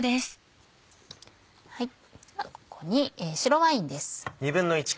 ここに白ワインです。